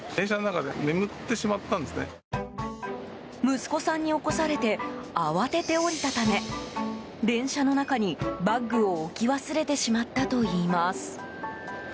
息子さんに起こされて慌てて降りたため電車の中にバッグを置き忘れてしまったといいます。